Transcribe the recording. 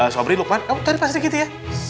sobri lukman kamu tarik pak serikiti ya